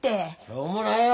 しょうもないわ！